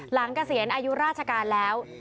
เกษียณอายุราชการแล้ว